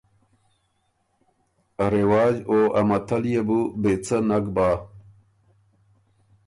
ا رواج او ا متل يې بُو بې څۀ نک بۀ۔